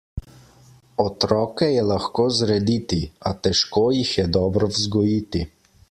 Otroke je lahko zrediti, a težko jih je dobro vzgojiti.